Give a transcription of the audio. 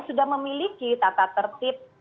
sudah memiliki tata tertib